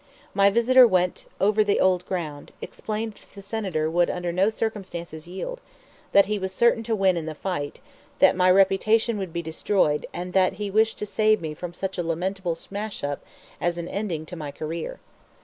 My visitor went over the old ground, explained that the Senator would under no circumstances yield, that he was certain to win in the fight, that my reputation would be destroyed, and that he wished to save me from such a lamentable smash up as an ending to my career.